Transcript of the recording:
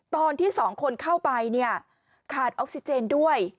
ตอนที่สองคนเข้าไปเนี่ยขาดออกซิเจนด้วย